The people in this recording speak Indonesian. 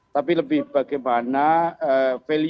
tapi lebih bagaimana value